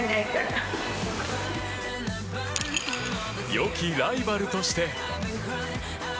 良きライバルとして。